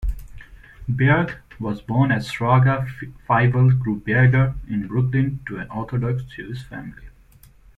Berg was born as Shraga Feivel Gruberger in Brooklyn, to an Orthodox Jewish family.